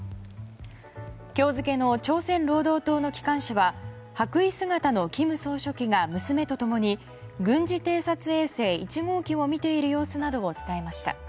今日付の朝鮮労働党の機関紙は白衣姿の金総書記が娘と共に軍事偵察衛星１号機を見ている様子などを伝えました。